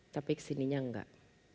tapi kesininya enggak